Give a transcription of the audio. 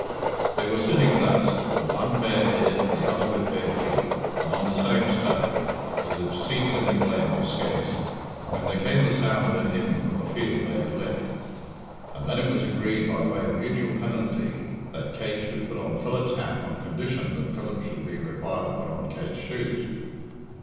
They were sitting thus, the one bare headed, the other with bare feet, and on the same stone, as if seats in the glen were scarce, when there came the sound of a hymn from the field they had left, and then it was agreed by way of mutual penalty that Kate should put on Philip's hat on condition that Philip should be required to put on Kate's shoes.